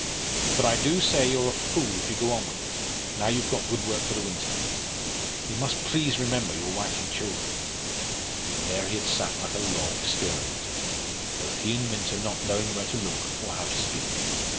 But I do say you're a fool if you go on with it, now you've got good work for the winter; you must please remember your wife and children." And there he had sat like a log, staring at her both he and Minta not knowing where to look, or how to speak.